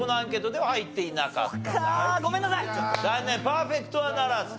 パーフェクトはならず。